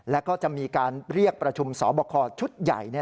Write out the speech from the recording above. แล้วก็จะมีการเรียกประชุมสอบคอชุดใหญ่